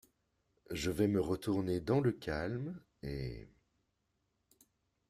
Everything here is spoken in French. Je vais me retourner dans le calme et...